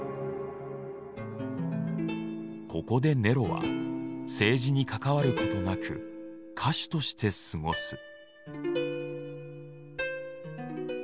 ここでネロは政治に関わる事なく歌手として過ごす。